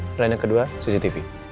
plan yang kedua cctv